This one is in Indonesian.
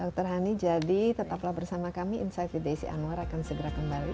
dr hani jadi tetaplah bersama kami insight with desi anwar akan segera kembali